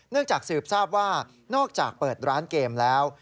จากสืบทราบว่านอกจากเปิดร้านเกมแล้ว